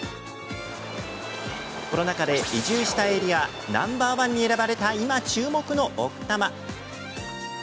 コロナ禍で移住したいエリアナンバー１に選ばれた今、注目の奥多摩。